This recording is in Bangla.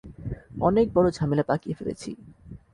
অনেক বড় ঝামেলা পাকিয়ে ফেলেছি।